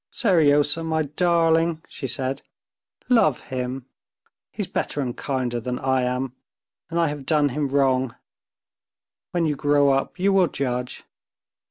"Seryozha, my darling," she said, "love him; he's better and kinder than I am, and I have done him wrong. When you grow up you will judge."